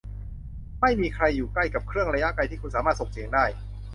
ไม่มีใครอยู่ใกล้กับเครื่องระยะไกลที่คุณสามารถส่งเสียงได้ ?